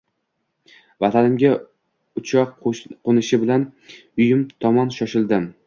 Vatanimga uchoq qoʻnishi bilan uyim tomon shoshildim